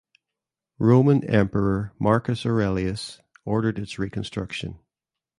Roman Emperor Marcus Aurelius ordered its reconstruction.